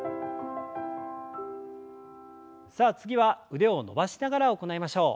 さあ次は腕を伸ばしながら行いましょう。